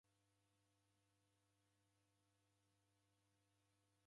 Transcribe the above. Nendamanyira hao nyii!